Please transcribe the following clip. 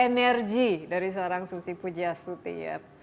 energi dari seorang susi pujiastu tiat